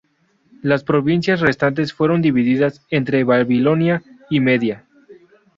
Las provincias restantes fueron divididas entre Babilonia y Media.